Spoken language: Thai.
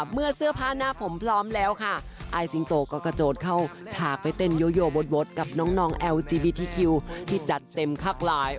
เมื่อเสื้อผ้าหน้าผมพร้อมแล้วค่ะอายสิงโตก็กระโดดเข้าฉากไปเต้นโยโยบทกับน้องแอลจีบีทีคิวที่จัดเต็มพักหลาย